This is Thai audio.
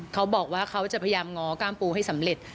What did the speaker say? เขาบอกว่าเขาจะพยายามง้อกล้ามปูให้สำเร็จ